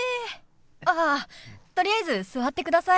あっとりあえず座ってください。